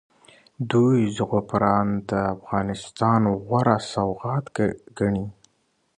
دوی زعفران د افغانستان غوره سوغات ګڼي.